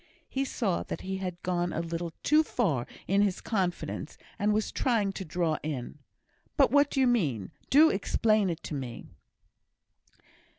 He saw that he had gone a little too far in his confidence, and was trying to draw in. "But, what do you mean? Do explain it to me."